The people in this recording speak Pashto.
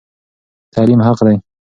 تعلیم حق دی.